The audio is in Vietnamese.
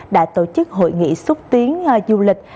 đã tổ chức hội nghị xúc tiến du lịch